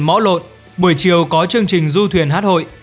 ngõ lộn buổi chiều có chương trình du thuyền hát hội